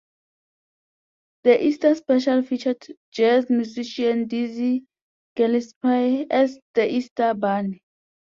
The Easter special featured jazz musician Dizzy Gillespie as the Easter Bunny.